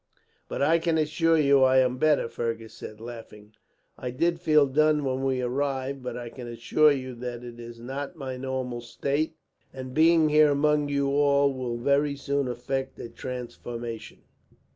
"But I can assure you I am better," Fergus said, laughing. "I did feel done when we arrived, but I can assure you that is not my normal state; and being here among you all will very soon effect a transformation.